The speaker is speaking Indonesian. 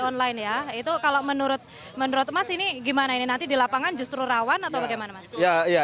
online ya itu kalau menurut menurut mas ini gimana ini nanti di lapangan justru rawan atau bagaimana mas ya